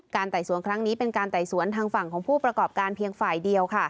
ไต่สวนครั้งนี้เป็นการไต่สวนทางฝั่งของผู้ประกอบการเพียงฝ่ายเดียว